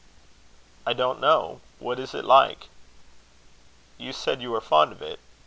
"I don't know. What is it like?" "You said you were fond of it."